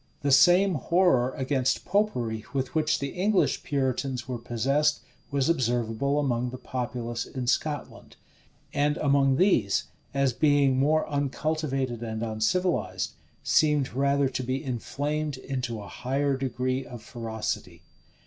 The same horror against Popery with which the English Puritans were possessed, was observable among the populace in Scotland; and among these, as being more uncultivated and uncivilized, seemed rather to be inflamed into a higher degree of ferocity.